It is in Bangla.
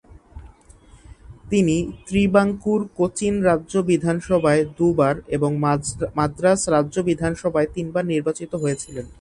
তিনি ত্রিবাঙ্কুর-কোচিন রাজ্য বিধানসভায় দু'বার এবং মাদ্রাজ রাজ্য বিধানসভায় তিনবার নির্বাচিত হয়েছিলেন।